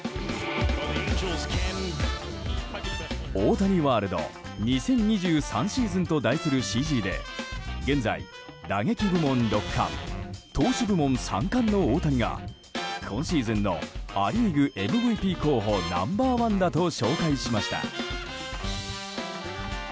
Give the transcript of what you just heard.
大谷ワールド２０２３シーズンと題するＣＧで現在、打撃部門６冠投手部門３冠の大谷が今シーズンのア・リーグＭＶＰ候補ナンバー１だと紹介しました。